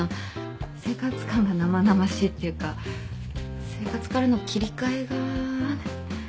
生活感が生々しいっていうか生活からの切り替えが。